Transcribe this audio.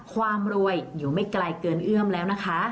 ความรวยอยู่ไม่ไกลเกินเอื้อมแล้วนะคะ